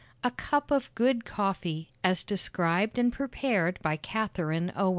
_A Cup of Good Coffee, as Described and Prepared by Catherine Owen.